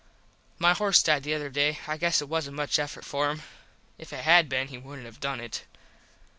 My horse died the other day. I guess it wasnt much effort for him. If it had been he wouldnt have done it.